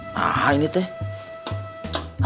nah ini tuh